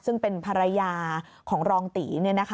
ซึ่งเป็นภรรยาของรองตี